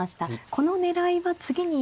この狙いは次に。